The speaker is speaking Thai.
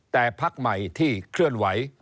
แต่พักใหม่ที่เคลื่อนไหว